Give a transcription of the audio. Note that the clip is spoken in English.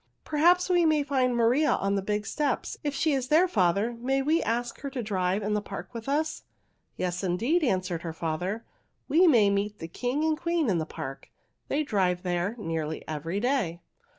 "Perhaps we may find Maria on the big steps. If she is there, father, may we ask her to drive in the park with us?" "Yes, indeed!" answered her father. "We may meet the king and queen in the park. They drive there nearly every day."